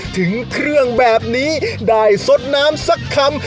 ถึงเครื่องแบบนี้ได้สดน้ำสักคำ